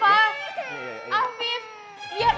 biar aku yang tenangin sipa